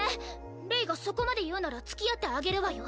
レイがそこまで言うなら付き合ってあげるわよ